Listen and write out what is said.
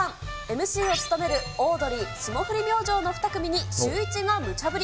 ＭＣを務めるオードリー、霜降り明星の２組にシューイチがむちゃぶり。